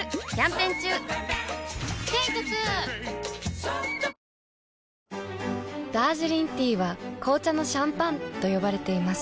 ペイトクダージリンティーは紅茶のシャンパンと呼ばれています。